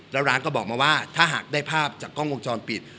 แล้วร้านก็บอกมาว่าถ้าหากได้ภาพจากกล้องวงจรปิด